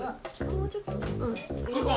もうちょっと。